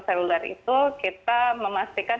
seluler itu kita memastikan